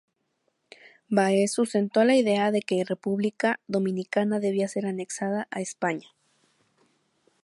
Báez sustentó la idea de que República Dominicana debía ser anexada a España.